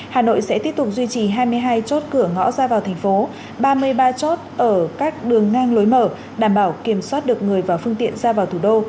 hà nội sẽ tiếp tục duy trì hai mươi hai chốt cửa ngõ ra vào thành phố ba mươi ba chốt ở các đường ngang lối mở đảm bảo kiểm soát được người và phương tiện ra vào thủ đô